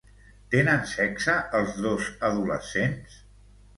Tenen sexe els dos adolescents?